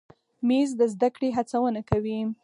مېز د زده کړې هڅونه کوي.